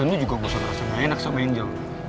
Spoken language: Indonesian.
udah gak usah ngerasa gak enak sama angel